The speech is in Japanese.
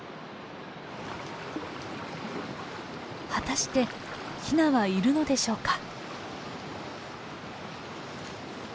果たしてヒナはいるのでしょうか。